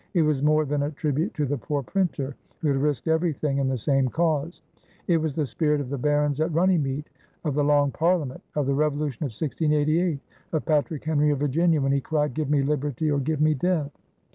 It was more than a tribute to the poor printer who had risked everything in the same cause. It was the spirit of the barons at Runnymede, of the Long Parliament, of the Revolution of 1688, of Patrick Henry of Virginia when he cried: "Give me liberty or give me death!"